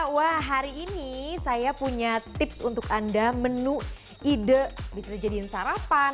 wah hari ini saya punya tips untuk anda menu ide bisa jadiin sarapan